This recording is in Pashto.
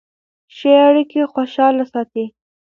ښې اړیکې خوشحاله ساتي.